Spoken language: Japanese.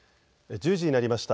１０時になりました。